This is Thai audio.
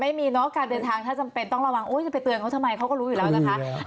ไม่มีเนอะการเดินทางถ้าจำเป็นต้องระวังโอ้ยจะไปเตือนเขาทำไมเขาก็รู้อยู่แล้วนะคะ